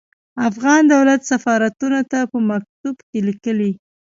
افغان دولت سفارتونو ته په مکتوب کې ليکلي.